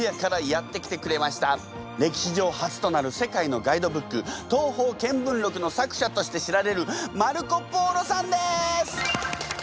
歴史上初となる世界のガイドブック「東方見聞録」の作者として知られるマルコ・ポーロさんです！